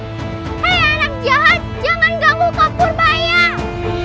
hei anak jahat jangan ganggu kabur bayang